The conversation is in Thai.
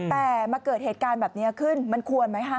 แต่มาเกิดเหตุการณ์แบบนี้ขึ้นมันควรไหมคะ